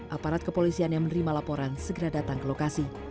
aparat kepolisian yang menerima laporan segera datang ke lokasi